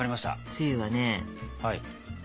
つゆはね